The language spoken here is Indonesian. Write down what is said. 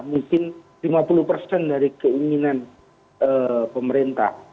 mungkin lima puluh persen dari keinginan pemerintah